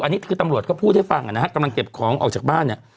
อันนี้คือตำรวจก็พูดให้ฟังนะฮะกำลังเก็บของออกจากบ้านเนี่ย